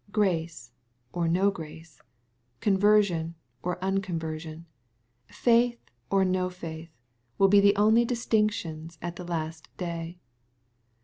\ Grace, or no grace, conversion or unconversion, faith or no faith, will be the only distinctions at the last day.